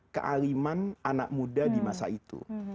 kealiman anak muda di masa itu